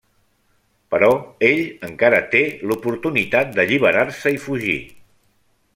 Però ell, encara té l'oportunitat d'alliberar-se i fugir.